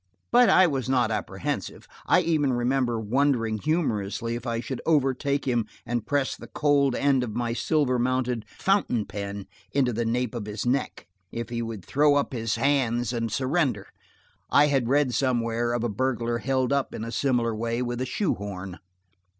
But I was not apprehensive. I even remember wondering humorously if I should overtake him and press the cold end of my silver mounted fountain pen into the nape of his neck, if he would throw up his hands and surrender. I had read somewhere of a burglar held up in a similar way with a shoe horn.